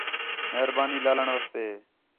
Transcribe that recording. مہربانی لِالݨ واسطے